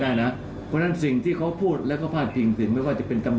อันนี้เป็นสิ่งที่เราต้องเปิดโพยออกมา